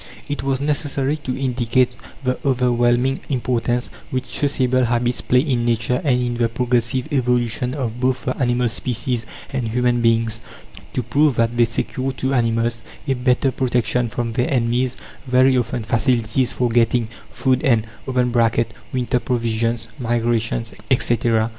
It was necessary to indicate the overwhelming importance which sociable habits play in Nature and in the progressive evolution of both the animal species and human beings: to prove that they secure to animals a better protection from their enemies, very often facilities for getting food and (winter provisions, migrations, etc.)